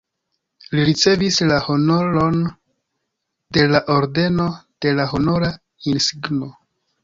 Li ricevis la honoron de la Ordeno de la Honora Insigno.